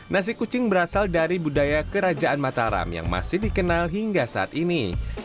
nasi kucing berasal dari budaya kerajaan mataram yang masih dikenal hingga saat ini